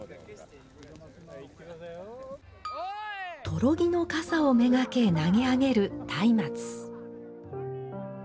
灯籠木のかさを目がけ投げ上げる松明。